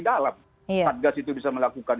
dalam satgas itu bisa melakukan